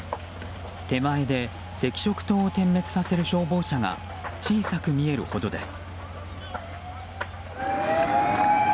手前で赤色灯を点滅させる消防車が小さく見えるほどです。